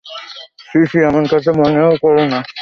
ছি, ছি, এমন কথা মনেও করো না।